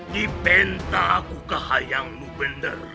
dipinta aku kehayangmu benar